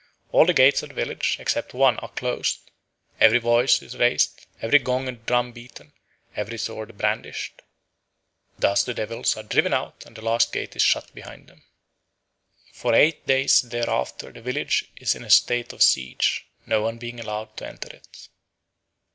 All the gates of the village, except one, are closed; every voice is raised, every gong and drum beaten, every sword brandished. Thus the devils are driven out and the last gate is shut behind them. For eight days thereafter the village is in a state of siege, no one being allowed to enter it.